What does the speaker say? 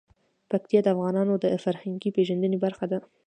پکتیا د افغانانو د فرهنګي پیژندنې برخه ده.